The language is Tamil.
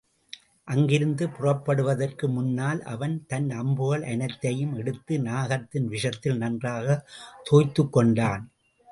அங்கிருந்து புறப்படுவதற்கு முன்னால், அவன் தன் அம்புகள் அனைத்தையும் எடுத்து நாகத்தின் விஷத்தில் நன்றாக, தோய்த்துக் கொண்டான்.